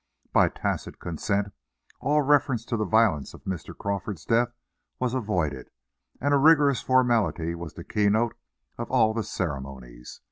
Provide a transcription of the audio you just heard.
By tacit consent, all reference to the violence of Mr. Crawford's death was avoided, and a rigorous formality was the keynote of all the ceremonies.